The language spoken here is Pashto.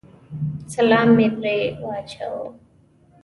سلام مې پرې واچاوه.